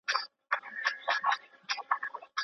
ته د پلار ښکنځل لیکلي وه.